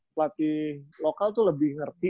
pelatih lokal tuh lebih ngerti